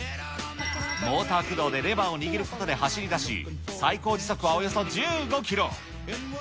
モーター駆動でレバーを握ることで走りだし、最高時速はおよそ１５キロ。